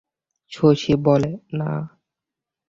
শশী বলে, না।